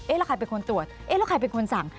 เอ๊ะแล้วใครเป็นคนตรวจแบบใครเป็นคนสั่ง